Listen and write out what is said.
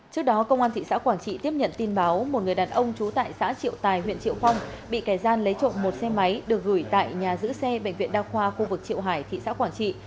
trước đó công an thị xã quảng trị tiếp nhận tin báo một người đàn ông trú tại xã triệu tài huyện triệu phong bị kẻ gian lấy trộm một xe máy được gửi tại nhà giữ xe bệnh viện đa khoa khu vực triệu hải thị xã quảng trị